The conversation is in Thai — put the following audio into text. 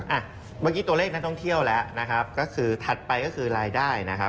เมื่อกี้ตัวเลขนักท่องเที่ยวแล้วนะครับก็คือถัดไปก็คือรายได้นะครับ